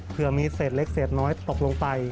เพื่อมีเศษเล็กเศษน้อยตกลงไป